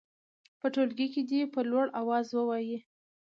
په ټولګي کې دې په لوړ اواز ووايي.